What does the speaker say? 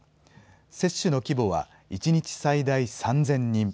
接種の規模は１日最大３０００人。